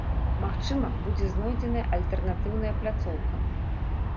Магчыма, будзе знойдзеная альтэрнатыўная пляцоўка.